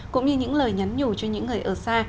cũng như những lời nhắn nhủ cho những người ở xa